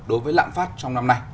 đối với lạm phát trong năm nay